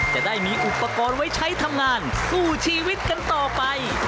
จะได้มีอุปกรณ์ไว้ใช้ทำงานสู้ชีวิตกันต่อไป